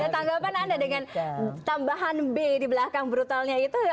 tanggapan anda dengan tambahan b di belakang brutalnya itu